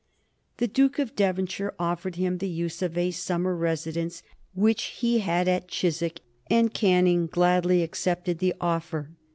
The Duke of Devonshire offered him the use of a summer residence which he had at Chiswick, and Canning gladly accepted the offer.